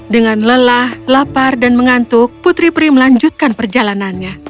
dengan lelah lapar dan mengantuk putri pri melanjutkan perjalanannya